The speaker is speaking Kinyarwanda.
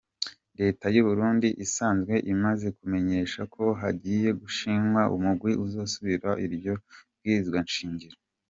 Leta y'Uburundi isanzwe imaze kumenyesha ko hagiye gushingwa umugwi uzosubiramwo iryo bwirizwa nshingiro.